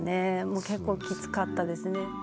結構きつかったですね。